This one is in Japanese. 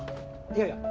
いやいや。